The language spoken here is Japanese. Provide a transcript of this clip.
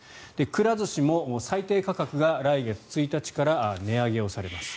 くら寿司も最低価格が来月１日から値上げされます。